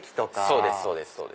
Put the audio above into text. そうですそうです。